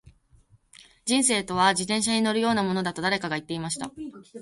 •人生とは、自転車に乗るようなものだと誰かが言っていました。